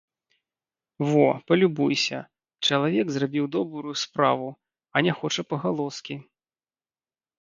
Во, палюбуйся, чалавек зрабіў добрую справу, а не хоча пагалоскі.